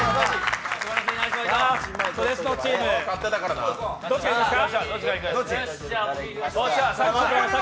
「それスノ」チーム、どっちがいきますか？